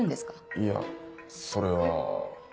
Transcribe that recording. いやそれは。